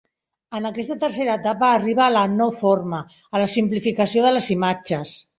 En aquesta tercera etapa arriba a la no–forma, a la simplificació de les imatges.